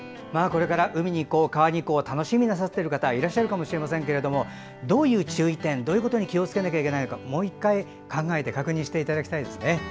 これから海に行こう川に行こうと楽しみになさっている方いらっしゃるかもしれませんがどういう注意点、どういうことに気をつけなきゃいけないのかもう１回考えて確認していただきたいですね。